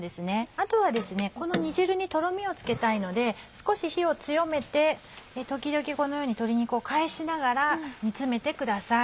あとはこの煮汁にとろみをつけたいので少し火を強めて時々このように鶏肉を返しながら煮詰めてください。